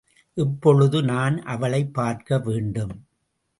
இப்பொழுதே நான் அவளைப் பார்க்கவேண்டும்.